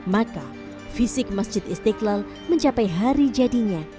maka fisik masjid istiqlal mencapai hari jadinya